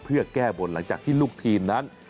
เพื่อแก้บนหลังจากที่ลูกทีมนั้น